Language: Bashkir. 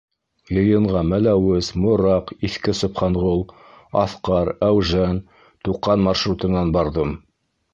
Йыйынға Мәләүез — Мораҡ — Иҫке Собханғол — Аҫҡар — Әүжән — Туҡан маршрутынан барҙым.